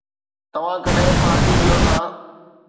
توهان ڪڏهن پارٽي ڏيو ٿا؟